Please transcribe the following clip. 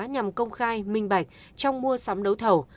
nhằm công khai minh bạch trong mua sắm đấu thầu